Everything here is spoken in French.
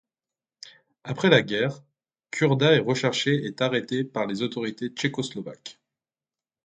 Après la guerre, Čurda est recherché et arrêté par les autorités tchécoslovaques.